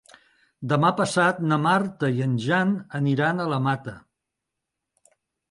Demà passat na Marta i en Jan aniran a la Mata.